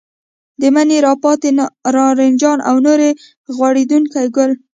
د مني راپاتې نارنجان او نوي غوړېدونکي ګل.